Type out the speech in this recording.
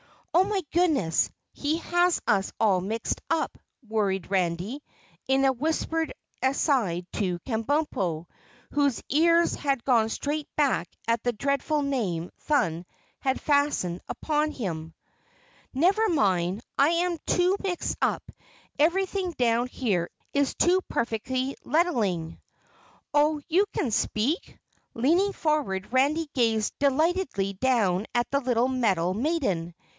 "Oh, my goodness! He has us all mixed up," worried Randy in a whispered aside to Kabumpo, whose ears had gone straight back at the dreadful name Thun had fastened upon him. "Never mind, I too am mixed up. Everything down here is too perfectly lettling." "Oh, you can speak?" Leaning forward, Randy gazed delightedly down at the little metal maiden.